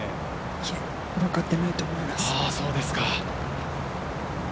いえ、分かっていないと思います。